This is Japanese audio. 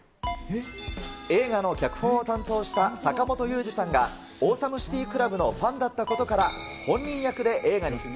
映画の脚本を担当した、坂元裕二さんがオーサムシティクラブのファンだったことから、本人役で映画に出演。